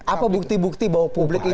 apa bukti bukti bahwa publik ini